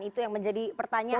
itu yang menjadi pertanyaan